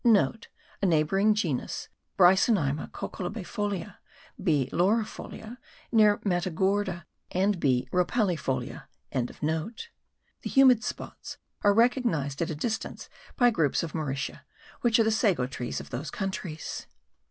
(* A neighbouring genus, Byrsonima cocollobaefolia, B. laurifolia, near Matagorda, and B. ropalaefolia.) The humid spots are recognized at a distance by groups of mauritia, which are the sago trees of those countries.